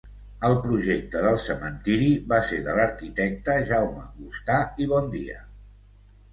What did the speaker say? El projecte del cementiri va ser de l'arquitecte Jaume Gustà i Bondia.